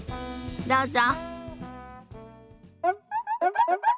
どうぞ。